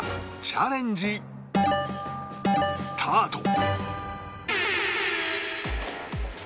チャレンジスタート